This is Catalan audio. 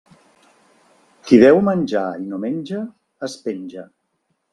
Qui veu menjar i no menja, es penja.